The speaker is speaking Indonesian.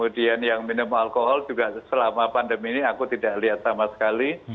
dan yang minum alkohol juga selama pandemi ini aku tidak lihat sama sekali